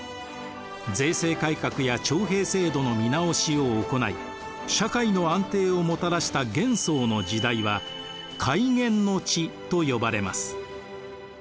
税制改革や徴兵制度の見直しを行い社会の安定をもたらした玄宗の時代は開元の治と呼ばれます。